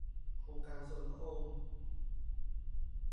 โครงการส่วนพระองค์